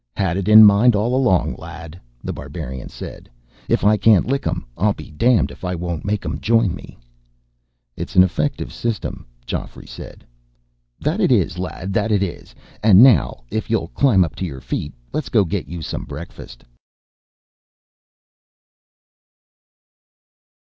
"Had it in mind all along, lad," The Barbarian said. "If I can't lick 'em, I'll be damned if I won't make 'em join me." "It's an effective system," Geoffrey said. "That it is, lad. That it is. And now, if you'll climb up to your feet, let's go get you some breakfast."